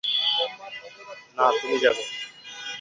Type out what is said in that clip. না, তুমি যাবে।